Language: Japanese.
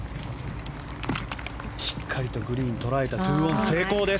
しっかりとグリーン捉えて２オン成功です。